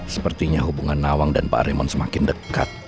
sepertinya hubungan nawang dan pak arimon semakin dekat